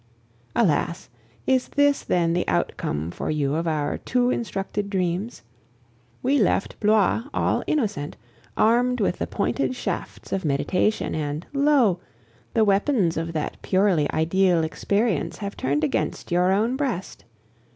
Alas! is this then the outcome for you of our too instructed dreams! We left Blois all innocent, armed with the pointed shafts of meditation, and, lo! the weapons of that purely ideal experience have turned against your own breast!